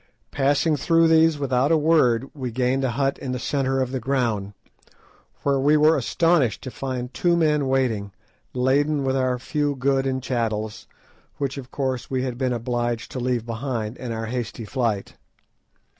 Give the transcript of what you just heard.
Passing through these without a word, we gained a hut in the centre of the ground, where we were astonished to find two men waiting, laden with our few goods and chattels, which of course we had been obliged to leave behind in our hasty flight.